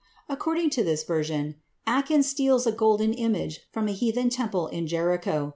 According to this version, Achan steals a golden image from a heathen temple in Jericho.